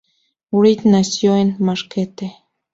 Wright nació en Marquette.